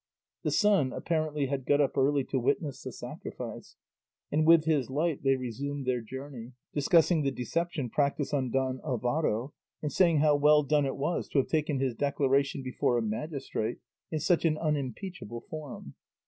The sun apparently had got up early to witness the sacrifice, and with his light they resumed their journey, discussing the deception practised on Don Alvaro, and saying how well done it was to have taken his declaration before a magistrate in such an unimpeachable form.